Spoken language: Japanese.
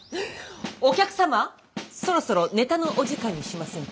お客様そろそろネタのお時間にしませんか？